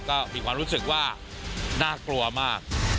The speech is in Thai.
ก็มีความรู้สึกว่าน่ากลัวมาก